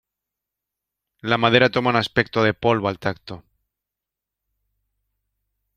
La madera toma un aspecto de polvo al tacto.